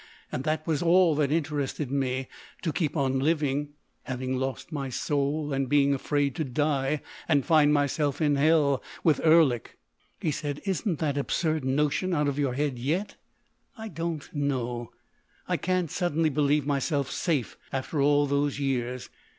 And that was all that interested me—to keep on living—having lost my soul and being afraid to die and find myself in hell with Erlik." He said: "Isn't that absurd notion out of your head yet?" "I don't know ... I can't suddenly believe myself safe after all those years.